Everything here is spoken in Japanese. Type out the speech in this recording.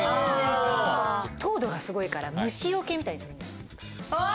糖度がすごいから虫よけみたいにするんじゃ。